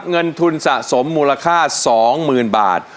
เงินทุนสะสมมูลค่า๒๐๐๐๐บาท